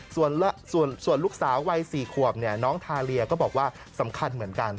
ส่วนลูกสาววัย๔ขวบน้องทาเลียก็บอกว่าสำคัญเหมือนกัน